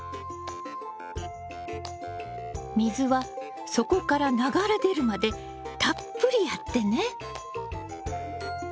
水は底から流れ出るまでたっぷりやってね。